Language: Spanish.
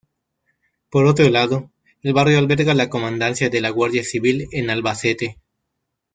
Por otro lado, el barrio alberga la Comandancia de la Guardia Civil en Albacete.